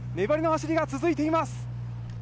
粘りの走りが続いています。